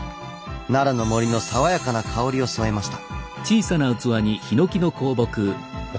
奈良の森の爽やかな香りを添えました。